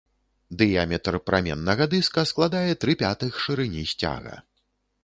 Дыяметр праменнага дыска складае тры пятых шырыні сцяга.